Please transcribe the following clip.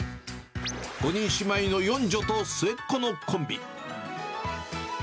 ５人姉妹の四女と末っ子のコンビ。